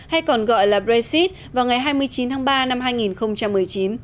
hay còn gọi là brexit vào ngày hai mươi chín tháng ba năm hai nghìn một mươi chín